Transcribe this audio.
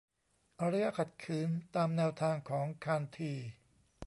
อารยะขัดขืน ตามแนวทางของคานธี